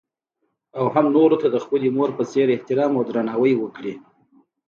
او هـم نـورو تـه د خـپلې مـور پـه څـېـر احتـرام او درنـاوى وکـړي.